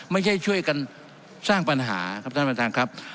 ช่วยกันสร้างปัญหาครับท่านประธานครับ